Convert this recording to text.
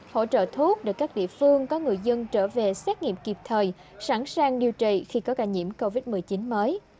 hỗ trợ thuốc để các địa phương có người dân trở về xét nghiệm kịp thời sẵn sàng điều trị khi có ca nhiễm covid một mươi chín mới